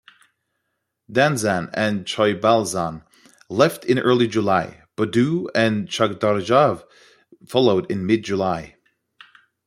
Danzan and Choibalsan left in early July, Bodoo and Chagdarjav followed in mid-July.